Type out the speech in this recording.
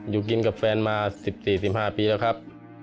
อยู่กินกับแฟนมา๑๔๑๕ปีแล้วครับ